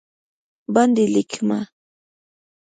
باندې لېکمه